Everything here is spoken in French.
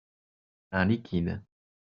Un liquide.